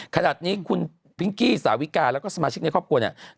ขนาดนี้คุณพิงกี้สาวิกาแล้วก็สมาชิกในครอบครัวเนี่ย